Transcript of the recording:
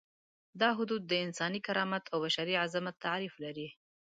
دا حدود د انساني کرامت او بشري عظمت تعریف لري.